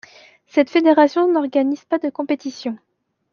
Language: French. Cette fédération n'organise pas de compétition.